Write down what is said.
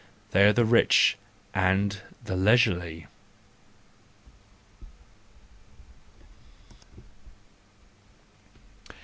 —They are the rich and the leisurely.